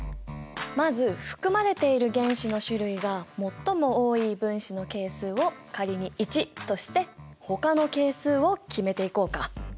まず含まれている原子の種類が最も多い分子の係数を仮に１としてほかの係数を決めていこうか。